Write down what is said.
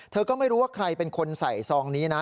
เธอก็ไม่รู้ว่าใครเป็นคนใส่ซองนี้นะ